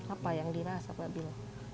apa yang dirasa babil